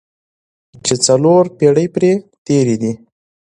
چې څلور پېړۍ پرې تېرې دي.